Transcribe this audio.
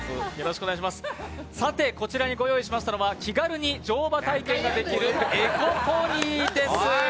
さて、こちらにご用意しましたのは気軽に乗馬体験ができるエコポニーです。